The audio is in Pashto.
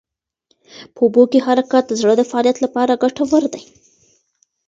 په اوبو کې حرکت د زړه د فعالیت لپاره ګټور دی.